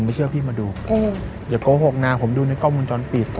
ไม่เชื่อพี่มาดูอย่าโกหกนะผมดูในกล้องข้มมันจ้อนปิด